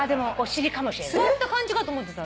座った感じかと思ってた。